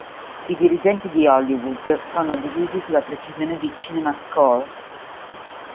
I dirigenti di Hollywood sono divisi sulla precisione di CinemaScore.